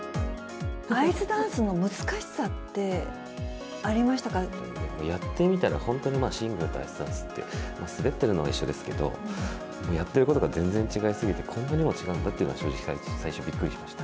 アイスダンスの難しさってあやってみたら本当に、シングルとアイスダンスって、滑ってるのは一緒ですけど、やってることは全然違いすぎて、こんなにも違うんだというのは、正直、最初びっくりしました。